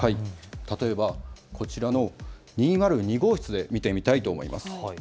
例えばこちらの２０２号室で見てみたいと思います。